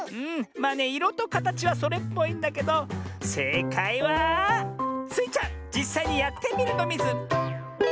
まあねいろとかたちはそれっぽいんだけどせいかいはスイちゃんじっさいにやってみるのミズ！